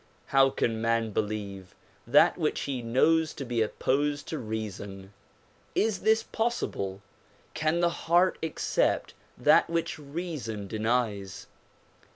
How can man believe that which he knows to be opposed to reason? Is this possible! Can the heart accept that which reason denies